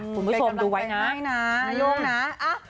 คุณผู้ชมดูไว้นะ